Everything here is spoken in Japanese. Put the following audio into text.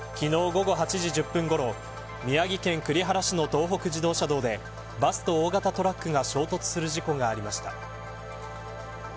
昨日、午後８時１０分ごろ宮城県栗原市の東北自動車道でバスと大型トラックが衝突する事故がありました。